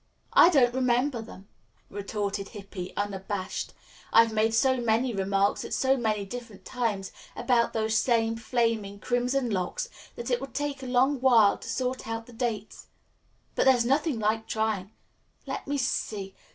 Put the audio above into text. "I don't remember them," retorted Hippy, unabashed. "I've made so many remarks at so many different times about those same flaming, crimson locks that it would take a long while to sort out the dates. But there's nothing like trying. Let me see.